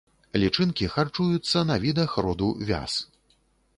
Лічынкі харчуюцца на відах роду вяз.